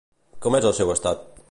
Com és el seu estat?